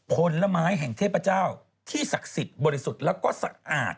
ผลไม้แห่งเทพเจ้าที่ศักดิ์สิทธิ์บริสุทธิ์แล้วก็สะอาด